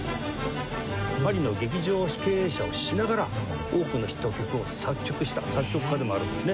パリの劇場経営者をしながら多くのヒット曲を作曲した作曲家でもあるんですね。